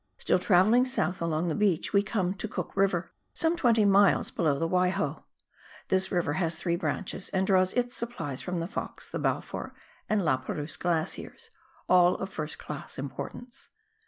Still travelling south along the beach we come to Cook River, some twenty miles below the Waiho. This river has three branches, and draws its supplies from the Fox, the Balfour, and La Perouse glaciers, all of first class importance.